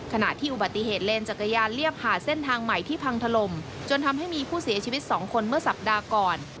ขณะที่อุบัติเหตุเลนจักรยานเรียบหาเส้นทางใหม่ที่พังถล่มจนทำให้มีผู้เสียชีวิต๒คนเมื่อสัปดาห์ก่อน